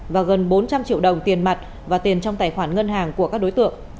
và gần bốn trăm linh triệu đồng tiền mặt và tiền trong tài khoản ngân hàng của các đối tượng